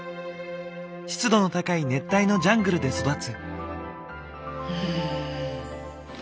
湿度の高い熱帯のジャングルで育つ。